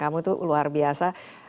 kamu tuh luar biasa